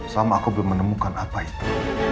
sama aku belum menemukan apa itu